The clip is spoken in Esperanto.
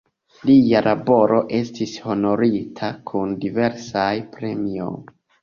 Lia laboro estis honorita kun diversaj premioj.